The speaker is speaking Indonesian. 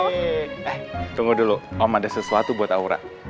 eh tunggu dulu om ada sesuatu buat aura